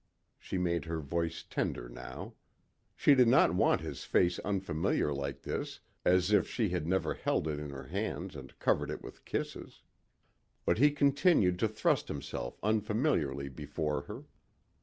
She made her voice tender now. She did not want his face unfamiliar like this as if she had never held it in her hands and covered it with kisses. But he continued to thrust himself unfamiliarly before her.